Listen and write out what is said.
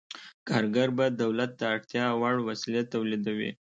کارګر به دولت ته اړتیا وړ وسلې تولیدوي.